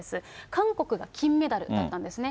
韓国が金メダルだったんですね。